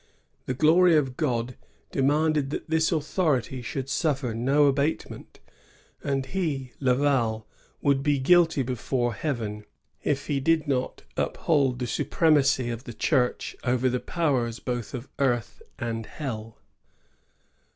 The glory of God demanded that this authority should suffer no abatement; and he, Laval, would be guilty before Heaven if he did not uphold the supremacy of the Church over the powers both of earth and of hell.